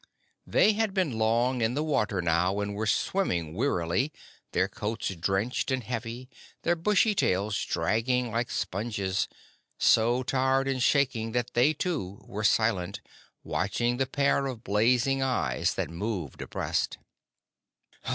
They had been long in the water now, and were swimming wearily, their coats drenched and heavy, their bushy tails dragging like sponges, so tired and shaken that they, too, were silent, watching the pair of blazing eyes that moved abreast.